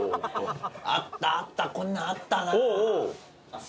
あったあったこんなのあったな。